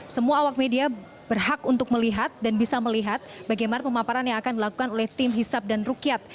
semua awak media berhak untuk melihat dan bisa melihat bagaimana pemaparan yang akan dilakukan oleh tim hisap dan rukyat